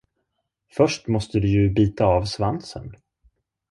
Först måste du ju bita av svansen!